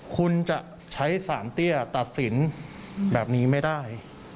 คุณจะใช้สารเตี้ยตัดสินแบบนี้ไม่ได้